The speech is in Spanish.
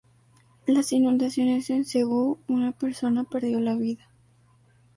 Las inundaciones en Cebú una persona perdió la vida.